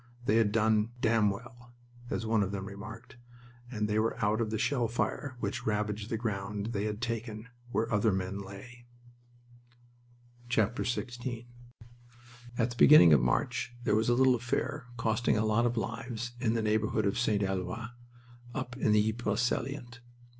They had done "damn well," as one of them remarked; and they were out of the shell fire which ravaged the ground they had taken, where other men lay. XVI At the beginning of March there was a little affair costing a lot of lives in the neighborhood of St. Eloi, up in the Ypres salient.